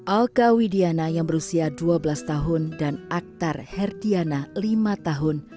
alka widiana yang berusia dua belas tahun dan aktar herdiana lima tahun